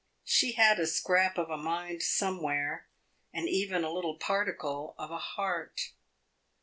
She had a scrap of a mind somewhere, and even a little particle of a heart.